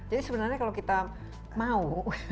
jadi sebenarnya kalau kita mau kita bisa ya